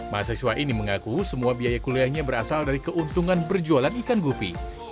mahasiswa ini mengaku semua biaya kuliahnya berasal dari keuntungan berjualan ikan gupi